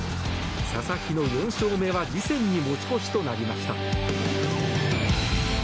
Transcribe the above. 佐々木の４勝目は次戦に持ち越しとなりました。